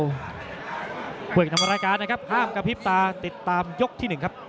ผู้เอกนำรายการนะครับห้ามกระพริบตาติดตามยกที่๑ครับ